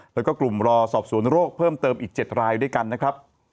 แล้วก็กลุ่มรอสอบสวนโรคเพิ่มเติมอีก๗รายด้วยกันนะครับ